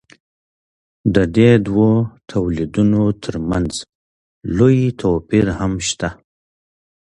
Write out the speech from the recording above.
د دې دوو تولیدونو ترمنځ لوی توپیر هم شته.